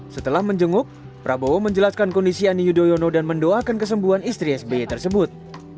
setelah menjenguk prabowo menjelaskan kondisi ani yudhoyono dan mendoakan kesembuhan istri sby tersebut